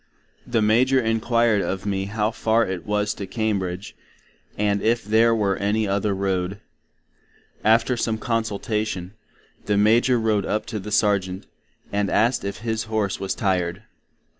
The Major inquired of me how far it was to Cambridge, and if there were any other Road? After some consultation, the Major Rode up to the Sargent, and asked if his Horse was tired?